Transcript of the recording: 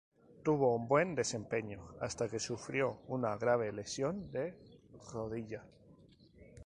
Tuvo un buen desempeñó hasta que sufrió una grave lesión de rodilla.